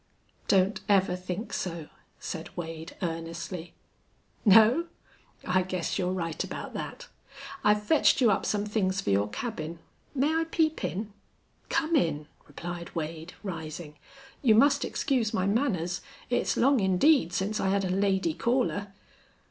"Don't ever think so," said Wade, earnestly. "No? I guess you're right about that. I've fetched you up some things for your cabin. May I peep in?" "Come in," replied Wade, rising. "You must excuse my manners. It's long indeed since I had a lady caller."